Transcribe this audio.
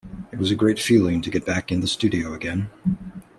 It was a great feeling to get back in the studio again.